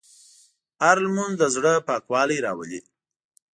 هره لمونځ د زړه پاکوالی راولي.